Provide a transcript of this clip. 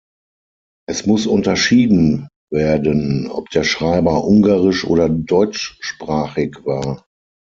Es muss unterschieden werden, ob der Schreiber ungarisch- oder deutschsprachig war.